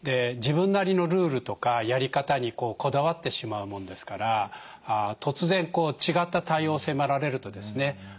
自分なりのルールとかやり方にこだわってしまうもんですから突然違った対応を迫られるとですね